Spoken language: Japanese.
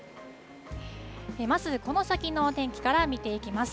まずこの先のお天気から見ていきます。